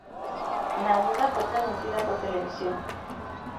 La boda fue transmitida por televisión.